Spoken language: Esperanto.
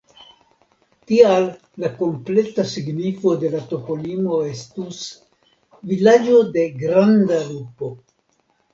Tial la kompleta signifo de la toponimo estus "vilaĝo de granda lupo".